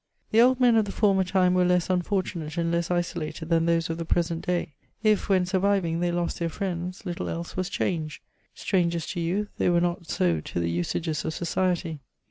The old men of the former time were less mifortnnate and less isolated than those of the present day ; if, when surviying, ikej lost their Mends, little else was changed; strangers to youth, they were not so to the usages of society.